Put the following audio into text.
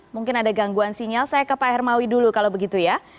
mungkin ada gangguan sinyal saya ke pak hermawi dulu kalau begitu ya